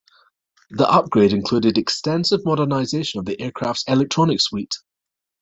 The upgrade included extensive modernisation of the aircraft's electronic suite.